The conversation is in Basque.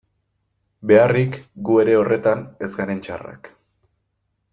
Beharrik, gu ere horretan ez garen txarrak...